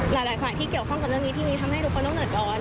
หลายฝ่ายที่เกี่ยวข้องกับเรื่องนี้ที่มีทำให้ทุกคนต้องเดือดร้อน